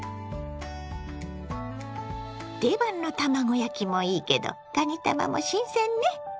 定番の卵焼きもいいけどかにたまも新鮮ね。